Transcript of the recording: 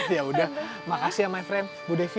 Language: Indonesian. ya udah makasih ya my friend bu devi